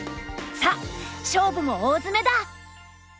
さあ勝負も大詰めだ。